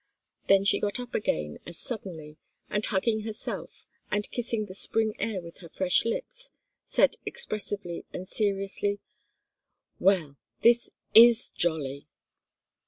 Then she got up again as suddenly, and hugging herself, and kissing the Spring air with her fresh lips, said expressively and seriously: "Well, this is jolly!"